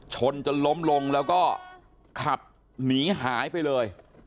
จนล้มลงแล้วก็ขับหนีหายไปเลย